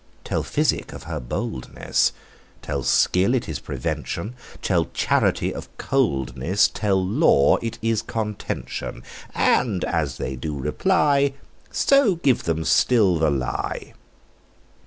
Tell physic of her boldness; Tell skill it is prevention; Tell charity of coldness; Tell law it is contention: And as they do reply, So give them still the lie.